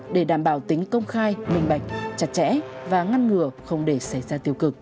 để đảm bảo tính công khai minh bạch chặt chẽ và ngăn ngừa không để xảy ra